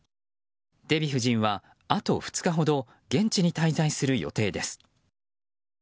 デヴィ夫人は、あと２日ほど現地に滞在する予定です。